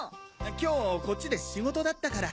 今日こっちで仕事だったから。